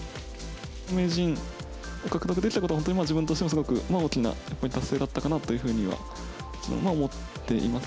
名人を獲得できたことは、本当に自分としてもすごく大きな達成だったかなというふうには思っています。